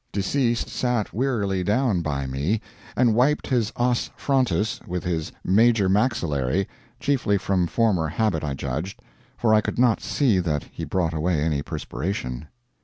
Deceased sat wearily down by me, and wiped his os frontis with his major maxillary chiefly from former habit I judged, for I could not see that he brought away any perspiration.